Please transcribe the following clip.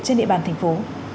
trên địa bàn thành phố